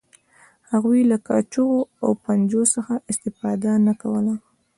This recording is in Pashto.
هغوی له کاچوغو او پنجو څخه استفاده نه کوله.